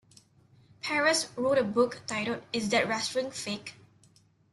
Perras wrote a book titled Is That Wrestling Fake?